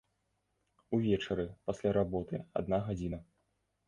Увечары, пасля работы, адна гадзіна.